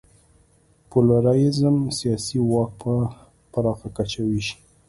پلورالېزم سیاسي واک په پراخه کچه وېشي.